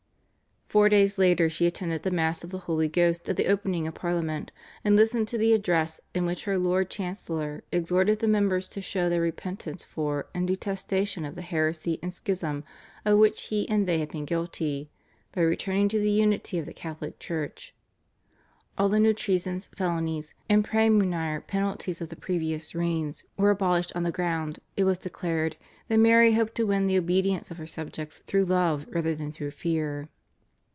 Four days later she attended the Mass of the Holy Ghost at the opening of Parliament, and listened to the address in which her Lord Chancellor exhorted the members to show their repentance for and detestation of the heresy and schism of which he and they had been guilty, by returning to the unity of the Catholic Church. All the new treasons, felonies, and praemunire penalties of the previous reigns were abolished on the ground, it was declared, that Mary hoped to win the obedience of her subjects through love rather than through fear.